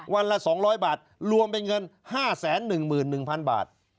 วันละ๒๐๐บาทรวมเป็นเงิน๕๑๑๐๐๐บาท